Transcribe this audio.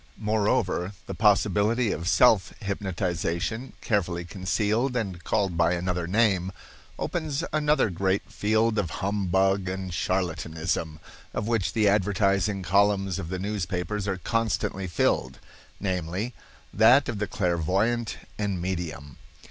Moreover, the possibility of self hypnotization, carefully concealed and called by another name, opens another great field of humbug and charlatanism, of which the advertising columns of the newspapers are constantly filled—namely, that of the clairvoyant and medium.